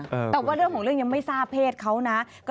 แต่ว่าเรื่องของเรื่องยังไม่ทราบเพศเขานะ